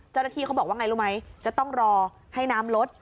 เจ้าหน้าที่เขาบอกว่าไงรู้ไหมจะต้องรอให้น้ำลด